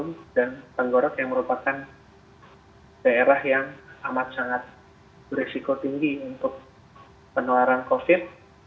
memeriksa di sekitaran telinga hidung dan anggorok yang merupakan daerah yang amat sangat beresiko tinggi untuk penularan covid